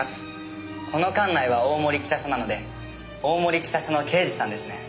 この管内は大森北署なので大森北署の刑事さんですね？